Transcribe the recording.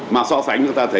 mà so sánh chúng ta thấy